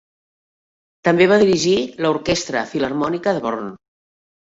També va dirigir l'orquestra filharmònica de Brno.